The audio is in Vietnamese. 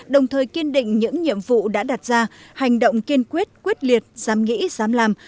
đồng thời kiên định những nhiệm vụ đã đặt ra hành động kiên quyết quyết liệt dám nghĩ dám làm